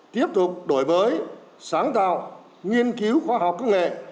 tiếp tục đổi mới sáng tạo nghiên cứu khoa học công nghệ